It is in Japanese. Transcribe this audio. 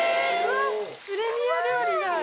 プレミア料理だ。